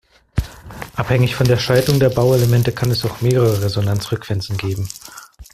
Abhängig von der Schaltung der Bauelemente kann es auch mehrere Resonanzfrequenzen geben.